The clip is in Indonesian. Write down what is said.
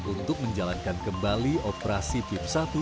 untuk menjalankan kembali operasi tip satu